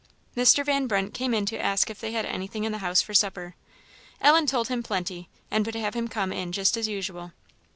Mr. Van Brunt came in to ask if they had anything in the house for supper. Ellen told him "plenty," and would have him come in just as usual.